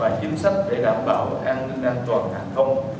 chính sách để đảm bảo an ninh an toàn hàng không